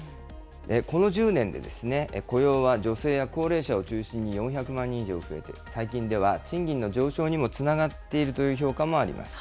この１０年で、雇用は女性や高齢者を中心に４００万人以上増えて、最近では賃金の上昇にもつながっているという評価もあります。